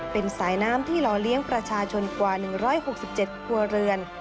เป็นสายน้ำที่หล่อเลี้ยงประชาชนกว่า๑๖๗ครัวเรือน